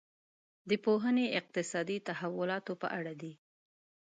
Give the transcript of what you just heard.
دا پوهنې اقتصادي تحولاتو په اړه دي.